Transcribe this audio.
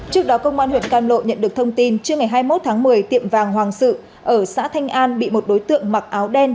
trước đó công an huyện cam lộ nhận được thông tin trước ngày hai mươi một tháng một mươi tiệm vàng hoàng sự ở xã thanh an bị một đối tượng mặc áo đen